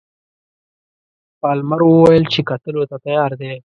پالمر وویل چې کتلو ته تیار دی.